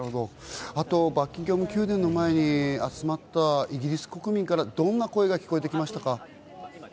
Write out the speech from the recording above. バッキンガム宮殿の前に集まったイギリス国民からどんな声が聞こえてきましたか？